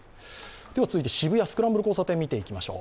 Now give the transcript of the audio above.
続いて渋谷・スクランブル交差点見ていきましょう。